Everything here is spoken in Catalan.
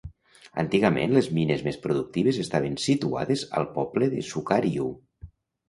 Antigament, les mines més productives estaven situades al poble de Sukariuh.